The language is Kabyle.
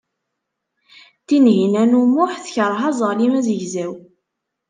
Tinhinan u Muḥ tekṛeh aẓalim azegzaw.